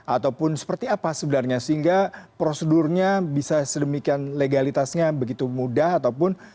ataupun seperti apa sebenarnya sehingga prosedurnya bisa sedemikian legalitasnya begitu mudah ataupun